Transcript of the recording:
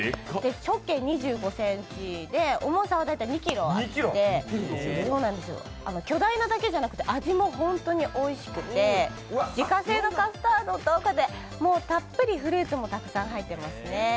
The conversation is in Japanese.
直径２５ｃｍで重さは大体２ｋｇあって巨大なだけじゃなくて味も本当においしくて自家製のカスタードとたっぷりフルーツもたくさん入っていますね。